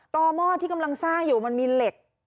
หม้อที่กำลังสร้างอยู่มันมีเหล็ก